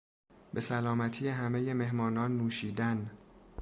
بسلامتی همهی مهمانان نوشیدن